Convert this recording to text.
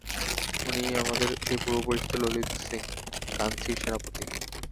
উনিই আমাদের সেই পূর্বপরিচিত ললিতসিংহ, কাঞ্চীর সেনাপতি।